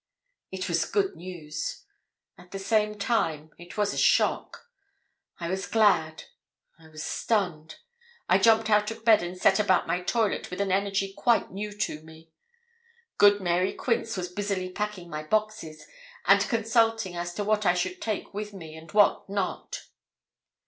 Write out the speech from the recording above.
It was good news; at the same time it was a shock. I was glad. I was stunned. I jumped out of bed, and set about my toilet with an energy quite new to me. Good Mary Quince was busily packing my boxes, and consulting as to what I should take with me, and what not.